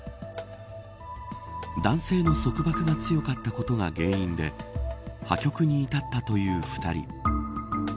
男性の束縛が強かったことが原因で破局に至ったという２人。